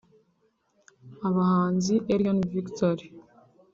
Abahanzi Elion Victory